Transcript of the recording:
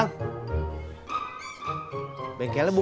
aku mau pergi ke rumah